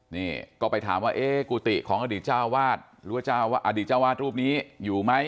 นี่ก็ไปถามว่าเอ๊ะกุฏิของอดีตเจ้าวาดหรือว่าเจ้าอดีตเจ้าวาดรูปนี้อยู่ไหม